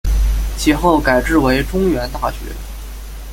其后改制为中原大学。